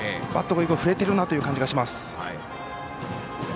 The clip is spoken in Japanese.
バットがよく振れているなという感じがします。